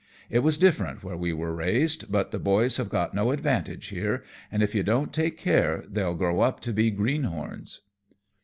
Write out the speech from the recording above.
It was different where we were raised, but the boys have got no advantages here, an' if you don't take care, they'll grow up to be greenhorns."